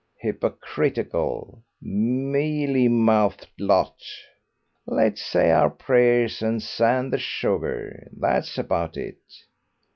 Hypocritical, mealy mouthed lot. 'Let's say our prayers and sand the sugar'; that's about it.